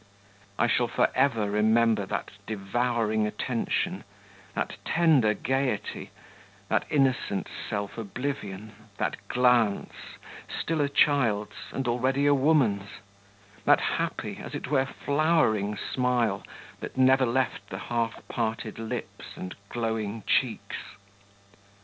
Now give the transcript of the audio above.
I shall for ever remember that devouring attention, that tender gaiety, that innocent self oblivion, that glance, still a child's and already a woman's, that happy, as it were flowering smile that never left the half parted lips and glowing cheeks....